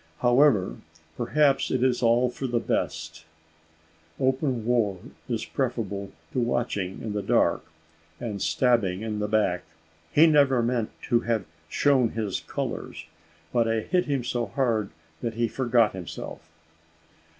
However, perhaps, it is all for the best; open war is preferable to watching in the dark, and stabbing in the back. He never meant to have shown his colours; but I hit him so hard that he forgot himself."